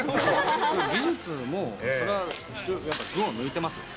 技術も、それは人から群を抜いてますよ。